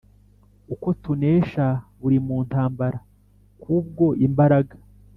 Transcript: uko tunesha buri ntambara kubwo imbaraga